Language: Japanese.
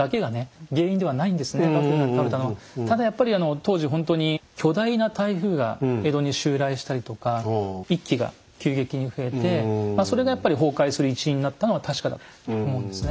ただやっぱり当時ほんとに巨大な台風が江戸に襲来したりとか一揆が急激に増えてそれがやっぱり崩壊する一因になったのは確かだと思うんですね。